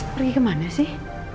pergi kemana sih